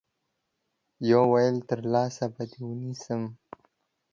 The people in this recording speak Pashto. يوه ويل تر لاس به دي ونيسم